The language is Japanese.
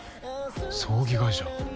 葬儀会社？